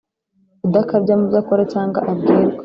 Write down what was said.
udakabya mu byo akora cyangwa abwirwa